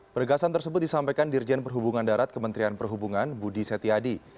pergasan tersebut disampaikan dirjen perhubungan darat kementerian perhubungan budi setiadi